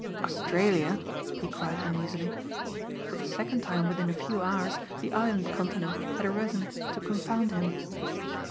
"Australia?" he cried uneasily. For the second time within a few hours the island continent had arisen to confound him.